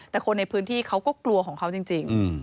แต่คนในพื้นที่เขาก็กลัวของเขาจริง